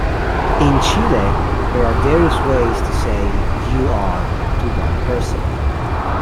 In Chile there are various ways to say 'you are' to one person.